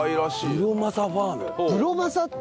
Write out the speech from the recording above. ブロまさファーム？